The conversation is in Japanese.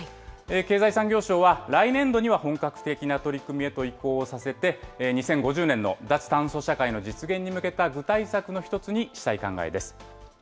経済産業省は来年度には本格的な取り組みへと移行させて、２０５０年の脱炭素社会の実現に向けた具体策の一つにしたい考えです。